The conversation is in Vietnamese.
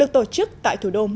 tại thủ đô moskova